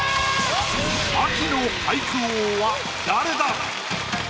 秋の俳句王は誰だ⁉